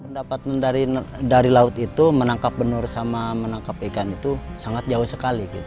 pendapatan dari laut itu menangkap benur sama menangkap ikan itu sangat jauh sekali